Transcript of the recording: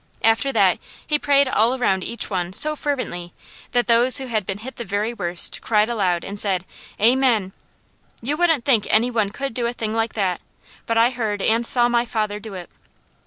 After that he prayed all around each one so fervently that those who had been hit the very worst cried aloud and said: "Amen!" You wouldn't think any one could do a thing like that; but I heard and saw my father do it.